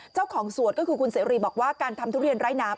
เจ้าของสวดก็คือคุณเสรีบอกว่าการทำทุเรียนไร้หนาม